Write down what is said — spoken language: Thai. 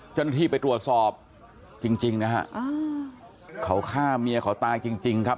เจ้าหน้าที่ไปตรวจสอบจริงนะฮะเขาฆ่าเมียเขาตายจริงครับ